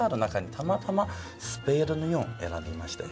たまたまスペードの４選びましたよ